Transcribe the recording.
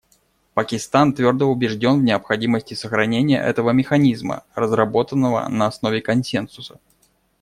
Пакистан твердо убежден в необходимости сохранения этого механизма, разработанного на основе консенсуса.